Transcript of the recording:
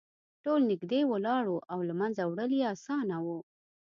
ټول نږدې ولاړ وو او له منځه وړل یې اسانه وو